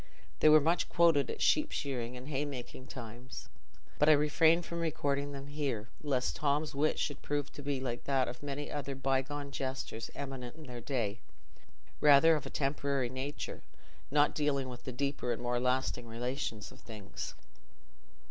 They were much quoted at sheep shearing and haymaking times, but I refrain from recording them here, lest Tom's wit should prove to be like that of many other bygone jesters eminent in their day—rather of a temporary nature, not dealing with the deeper and more lasting relations of things.